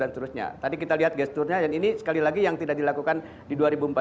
tadi kita lihat gesturnya dan ini sekali lagi yang tidak dilakukan di dua ribu empat belas